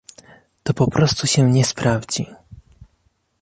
To po prostu się nie sprawdzi